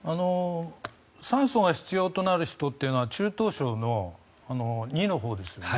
酸素が必要となる人というのは中等症の２のほうですね。